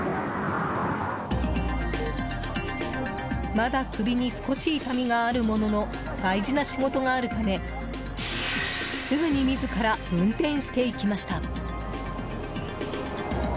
まだ、首に少し痛みがあるものの大事な仕事があるためすぐに自ら運転していきました。